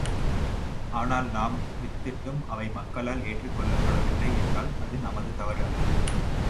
ஆனால், நாம் வித்திட்டும் அவை மக்களால் ஏற்றுக் கொள்ளப்படவில்லை என்றால் அது நமது தவறு அல்ல.